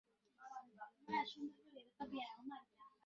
সকলে মিলে কী রচনা করছে তাই দেখছিলাম।